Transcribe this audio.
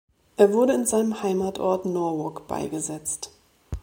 Er wurde in seinem Heimatort Norwalk beigesetzt.